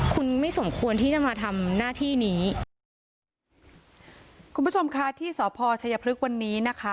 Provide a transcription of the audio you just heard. คุณไม่สมควรที่จะมาทำหน้าที่นี้คุณผู้ชมค่ะที่สพชัยพฤกษ์วันนี้นะคะ